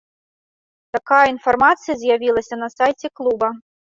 Такая інфармацыя з'явілася на сайце клуба.